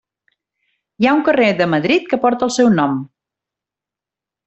Hi ha un carrer de Madrid que porta el seu nom.